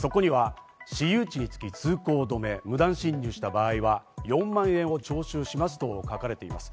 そこには、私有地につき通行止め、無断進入した場合は４万円を徴収しますと書かれています。